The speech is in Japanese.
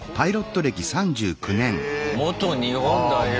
元日本代表⁉